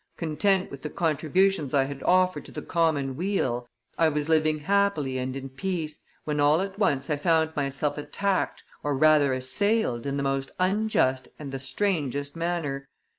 Content with the contributions I had offered to the common weal, I was living happily and in peace, when all at once I found myself attacked or rather assailed in the most unjust and the strangest manner.